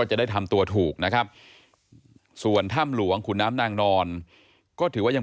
จะได้ทำตัวถูกนะครับส่วนถ้ำหลวงขุนน้ำนางนอนก็ถือว่ายัง